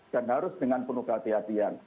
dan harus dengan penuh kehati hatian